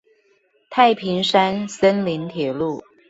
太平山森林鐵路